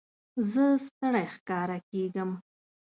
زه ستړی ښکاره کېږم.